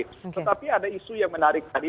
tetapi ada isu yang menarik tadi